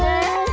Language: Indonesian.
aduh aduh aduh